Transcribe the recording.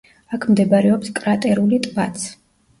აქ მდებარეობს კრატერული ტბაც.